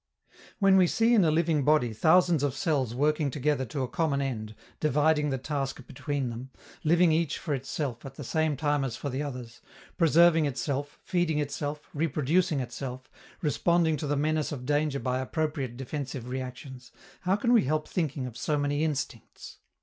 When we see in a living body thousands of cells working together to a common end, dividing the task between them, living each for itself at the same time as for the others, preserving itself, feeding itself, reproducing itself, responding to the menace of danger by appropriate defensive reactions, how can we help thinking of so many instincts?